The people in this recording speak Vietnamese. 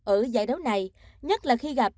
ở giải đấu này nhất là khi gặp